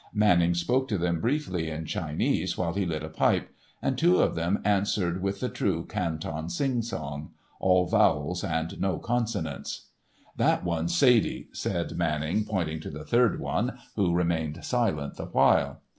Manning spoke to them briefly in Chinese while he lit a pipe, and two of them answered with the true Canton sing song—all vowels and no consonants. "That one's Sadie," said Manning, pointing to the third one, who remained silent the while.